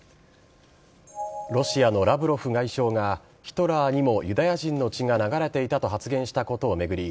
ロシアのラブロフ外相がヒトラーにもユダヤ人の血が流れていたと発言したことを巡り